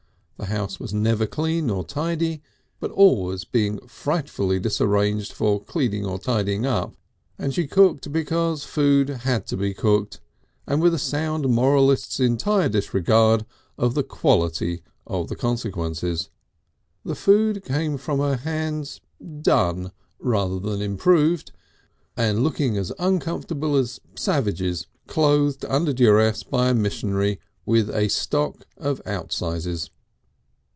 The house was never clean nor tidy, but always being frightfully disarranged for cleaning or tidying up, and she cooked because food had to be cooked and with a sound moralist's entire disregard of the quality of the consequences. The food came from her hands done rather than improved, and looking as uncomfortable as savages clothed under duress by a missionary with a stock of out sizes.